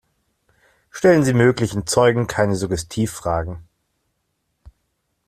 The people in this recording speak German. Stellen Sie möglichen Zeugen keine Suggestivfragen.